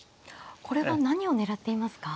これは何を狙っていますか。